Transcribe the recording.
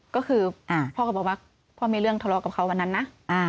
ก็คือพ่อก็บอกว่าพ่อมีเรื่องทะเลาะกับเขาวันนั้นนะ